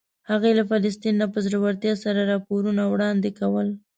هغې له فلسطین نه په زړورتیا سره راپورونه وړاندې کول.